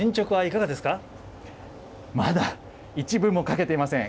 まだ、一文も書けていません。